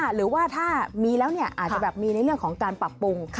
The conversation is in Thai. หรือว่าถ้ามีแล้วอาจจะแบบมีในเรื่องของการปรับปรุง